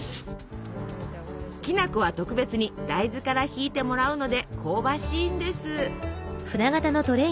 きな粉は特別に大豆からひいてもらうので香ばしいんです。